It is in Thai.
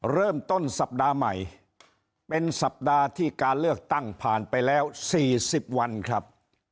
เริ่มต้นสัปดาห์ใหม่เป็นสัปดาห์ที่การเลือกตั้งผ่านไปแล้ว๔๐วันครับ